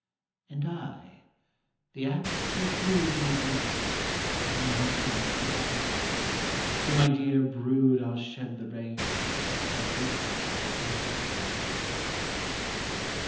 "And I the ax shall cleave my grain, And many times divide; From my dear brood I'll shed the rain, And roof their ingleside."